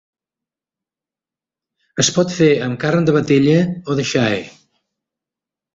Es pot fer amb carn de vedella o de xai.